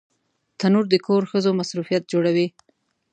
تنور د کور ښځو مصروفیت جوړوي